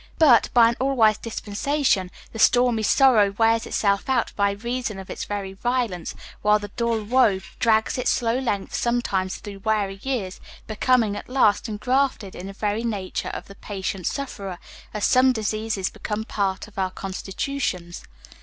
But, by an all wise dispensation, the stormy sorrow wears itself out by reason of its very violence, while the dull woe drags its slow length sometimes through weary years, becoming at last ingrafted in the very nature of the patient sufferer, as some diseases become part of our constitutions.